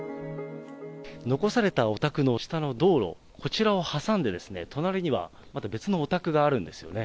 残されたお宅の下の道路、こちらを挟んで隣には、また別のお宅があるんですよね。